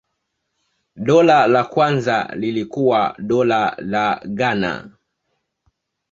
Dola la kwanza lilikuwa Dola la Ghana.